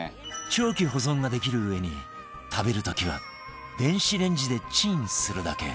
長期保存ができるうえに食べる時は電子レンジでチンするだけ